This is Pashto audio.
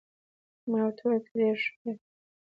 ما ورته وویل: ته ډیر ښه هلک يې.